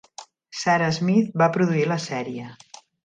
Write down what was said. Sarah Smith va produir la sèrie.